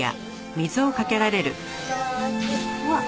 うわっ！